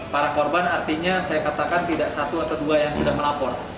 para korban artinya saya katakan tidak satu atau dua yang sudah melapor